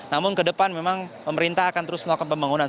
namun ke depan memang pemerintah akan terus melakukan pembangunan